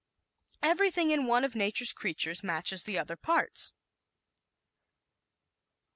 Everything in one of Nature's creatures matches the other parts.